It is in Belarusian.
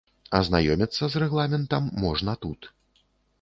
Азнаёміцца з рэгламентам можна тут.